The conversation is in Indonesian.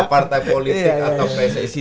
partai politik atau pssi